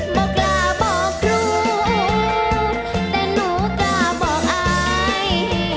มากล้าบอกครูแต่หนูกล้าบอกอาย